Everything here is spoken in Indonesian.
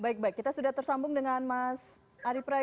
baik baik kita sudah tersambung dengan mas hope ini itu adalah apa ya